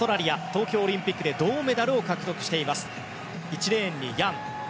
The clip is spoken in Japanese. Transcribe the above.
東京オリンピックで銅メダルを獲得しています。